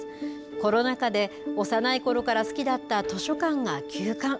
コロナ禍で幼いころから好きだった図書館が休館。